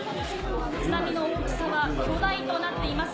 津波の大きさは「巨大」となっています。